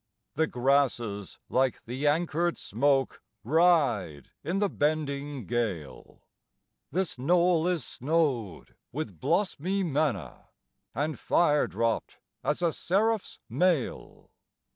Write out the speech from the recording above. The grasses, like an anchored smoke, Ride in the bending gale; This knoll is snowed with blosmy manna, And fire dropt as a seraph's mail.